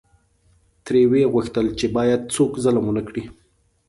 ترې وې غوښتل چې باید څوک ظلم ونکړي.